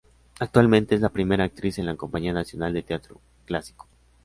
Actualmente, es la primera actriz en la Compañía Nacional de Teatro Clásico.